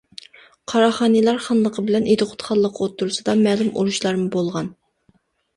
قاراخانىيلار خانلىقى بىلەن ئىدىقۇت خانلىقى ئوتتۇرىسىدا مەلۇم ئۇرۇشلارمۇ بولغان.